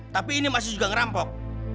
tapi ini masih juga ngerampok